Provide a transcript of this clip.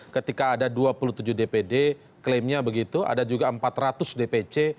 ketika ada dua puluh tujuh dpd klaimnya begitu ada juga empat ratus dpc